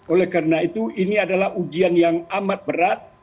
oleh karena itu ini adalah ujian yang amat berat